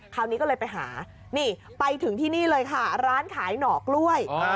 คราวนี้ก็เลยไปหานี่ไปถึงที่นี่เลยค่ะร้านขายหน่อกล้วย